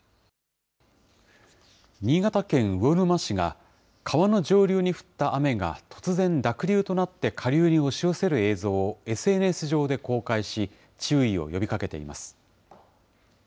新潟県魚沼市が、川の上流に降った雨が突然、濁流となって下流に押し寄せる映像をＳＮＳ上で公開し、注意を呼びかけています。